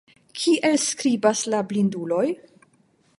Kiel skribas la blinduloj?